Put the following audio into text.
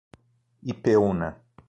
Ipeúna